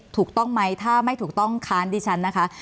ถูกต้องไหมถ้าไม่ถูกต้องค้านดิฉันนะคะ